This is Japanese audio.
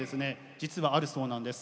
実はあるそうなんです。